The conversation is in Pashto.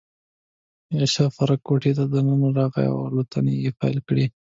یو شوپرک کوټې ته دننه راغلی او الوتنې یې پیل کړې.